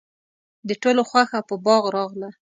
د ټولو خوښه په باغ راغله.